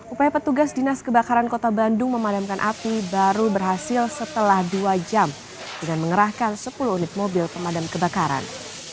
upaya petugas dinas kebakaran kota bandung memadamkan api baru berhasil setelah dua jam dengan mengerahkan sepuluh unit mobil pemadam kebakaran